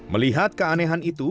melihat keanehan itu